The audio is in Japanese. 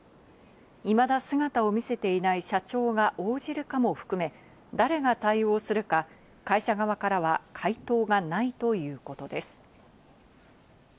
未だ姿を見せていない社長が応じるかも含め、誰が対応するか会社側からは回答がないということです。